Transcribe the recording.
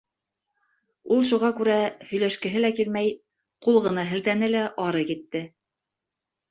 Ул шуға күрә, һөйләшкеһе лә килмәй, ҡул ғына һелтәне лә ары китте.